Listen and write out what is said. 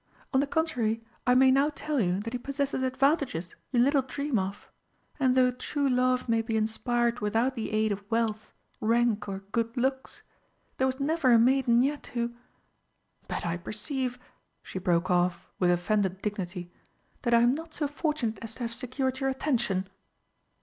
"On the contrary, I may now tell you that he possesses advantages you little dream of. And though true love may be inspired without the aid of wealth, rank, or good looks, there was never a maiden yet who but I perceive," she broke off with offended dignity, "that I am not so fortunate as to have secured your attention!"